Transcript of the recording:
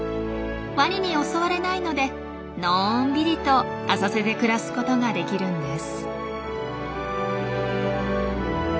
ワニに襲われないのでのんびりと浅瀬で暮らすことができるんです。